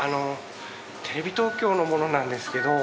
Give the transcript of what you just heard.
テレビ東京の者なんですけど。